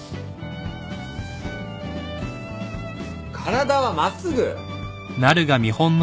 体は真っすぐ！